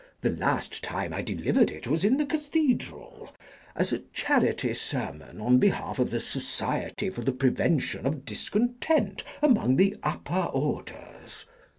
The last time I delivered it was in the Cathedral, as a charity sermon on behalf of the Society for the Prevention of Discontent among the Upper Orders.